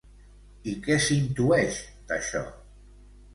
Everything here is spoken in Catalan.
I què s'intueix, d'això?